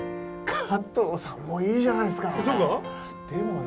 加藤さんもいいじゃないですかそうか？